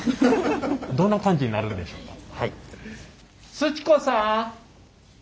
すち子さん。